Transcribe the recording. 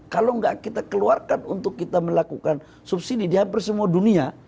kalau nggak kita keluarkan untuk kita melakukan subsidi di hampir semua dunia